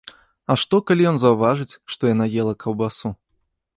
А што, калі ён заўважыць, што яна ела каўбасу?